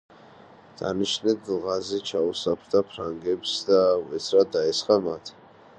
დანიშმენდ ღაზი ჩაუსაფრდა ფრანგებს და უეცრად დაესხა მათ.